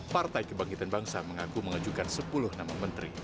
partai kebangkitan bangsa mengaku mengajukan sepuluh nama menteri